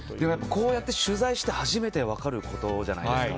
こうやって取材して初めて分かることじゃないですか。